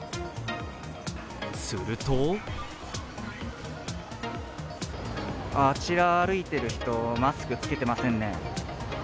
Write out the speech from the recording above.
するとあちら歩いてる人、マスク着けてませんね。